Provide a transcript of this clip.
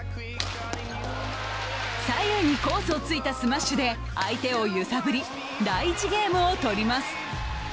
左右にコースを突いたスマッシュで相手を揺さぶり、第１ゲームをとります。